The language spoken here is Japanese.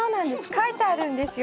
書いてあるんですよ